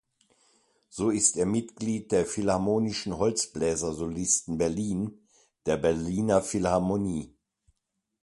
So ist er Mitglied der "Philharmonischen Holzbläsersolisten Berlin" der Berliner Philharmonie.